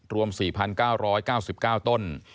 รวม๔๙๙๙ต้น